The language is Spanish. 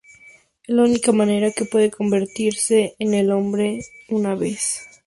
Es la única manera que puede convertirse en el hombre que una vez fue.